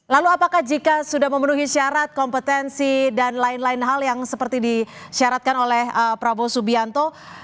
lalu apakah jika sudah memenuhi syarat kompetensi dan lain lain hal yang seperti disyaratkan oleh prabowo subianto